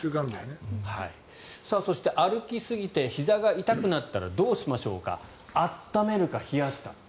そして、歩きすぎてひざが痛くなったらどうしましょうか温めるか冷やすか。